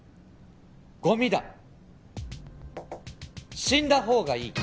ゴミだ死んだ方がいい